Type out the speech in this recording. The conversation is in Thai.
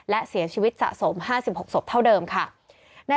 และเสียชีวิตสะสม๕๖ศพเท่าเดิมค่ะ